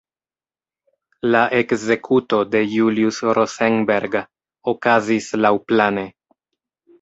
La ekzekuto de Julius Rosenberg okazis laŭplane.